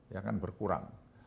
ya kan berkurang